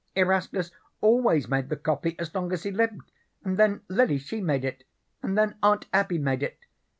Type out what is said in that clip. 'Erastus always made the coffee as long as he lived, and then Lily she made it, and then Aunt Abby made it.